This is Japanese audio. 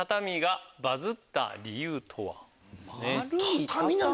畳なの？